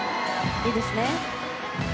いいですね。